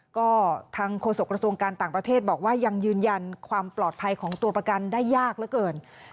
ก็ทางโฆษกระทรวงการต่างประเทศบอกว่ายังยืนยันความปลอดภัยของตัวประกันได้ยากเหลือเกิน